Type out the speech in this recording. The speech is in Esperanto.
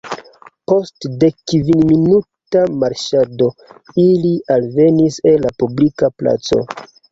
Post dekkvinminuta marŝado ili alvenis al la publika placo.